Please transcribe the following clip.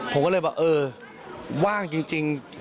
ผมก็เลยบอกเออว่างจริง